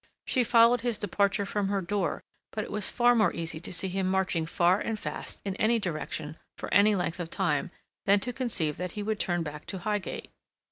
She followed his departure from her door; but it was far more easy to see him marching far and fast in any direction for any length of time than to conceive that he would turn back to Highgate.